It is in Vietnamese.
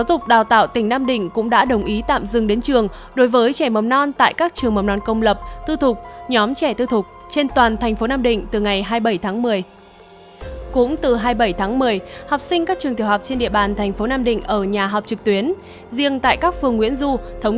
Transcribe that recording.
tp nam định cũng đã lấy mẫu xét nghiệm nhanh cho tất cả học sinh các trường trung học phổ thông